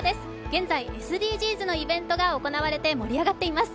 現在ＳＤＧｓのイベントが行われて盛り上がっています。